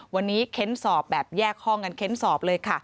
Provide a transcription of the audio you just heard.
วันนี้เค้นสอบแบบแยกห้องกันเค้นสอบเลยค่ะ